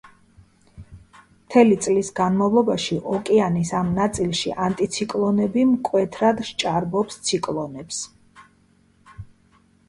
მთელი წლის განმავლობაში ოკეანის ამ ნაწილში ანტიციკლონები მკვეთრად სჭარბობს ციკლონებს.